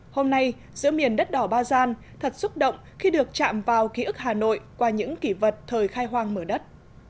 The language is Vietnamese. hôm nay giữa miền đất đỏ ba gian thật xúc động khi được chạm vào ký ức hà nội qua những kỷ vật thời khai hoang mở đất